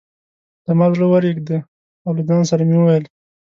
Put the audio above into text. زما زړه ورېږده او له ځان سره مې وویل.